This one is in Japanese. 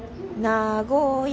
名古屋。